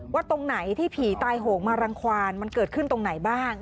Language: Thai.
ตรงไหนที่ผีตายโหงมารังความมันเกิดขึ้นตรงไหนบ้าง